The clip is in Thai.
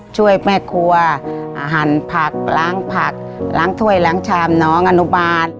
ช่วยแม่ครัวหั่นผักล้างผักล้างถ้วยล้างชามน้องอนุบาล